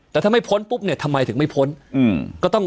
แต่ถ้าไม่พ้นปุ๊บเนี่ยทำไมถึงไม่พ้นก็ต้อง